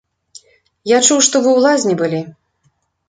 Я чуў, што вы ў лазні былі.